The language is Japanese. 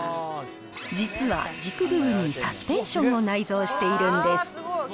実は軸部分にサスペンションを内蔵しているんです。